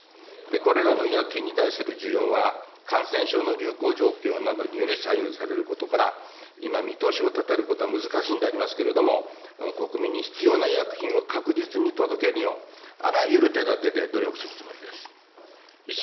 これらの医薬品に対する需要は、感染症の流行状況などにより左右されることから、今、見通しを立てることは難しいんでありますけれども、国民に必要な医薬品を確実に届けるよう、あらゆる手立てで努力するつもりです。